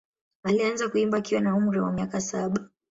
Alianza kuimba akiwa na umri wa miaka saba.